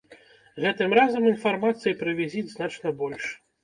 Гэтым разам інфармацыі пра візіт значна больш.